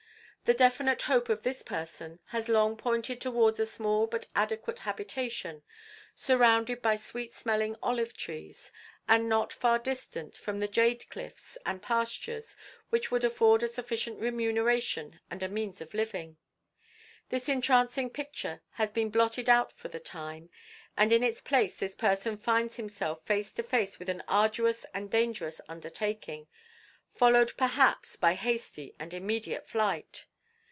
The definite hope of this person had long pointed towards a small but adequate habitation, surrounded by sweet smelling olive trees and not far distant from the jade cliffs and pastures which would afford a sufficient remuneration and a means of living. This entrancing picture has been blotted out for the time, and in its place this person finds himself face to face with an arduous and dangerous undertaking, followed, perhaps, by hasty and immediate flight.